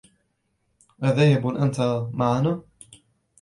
أذاهب أنت معنا؟